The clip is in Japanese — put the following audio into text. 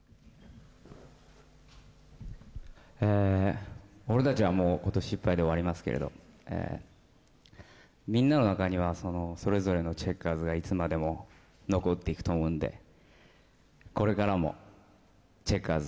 えー俺たちはもう今年いっぱいで終わりますけれどみんなの中にはそれぞれのチェッカーズがいつまでも残っていくと思うのでこれからもチェッカーズをよろしくお願いします。